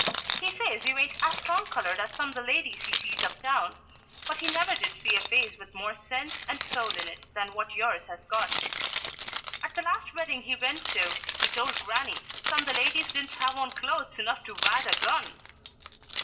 He says you ain't as strong colored as some the ladies he sees up town, but he never did see a face with more sense and soul in it than what yours has got. At the last wedding he went to he told grannie some the ladies didn't have on clothes enough to wad a gun.